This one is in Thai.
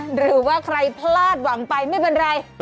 หรือว่าใครพลาดหวังไปไม่เป็นไร